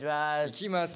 いきます。